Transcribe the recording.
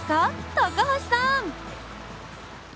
高橋さん。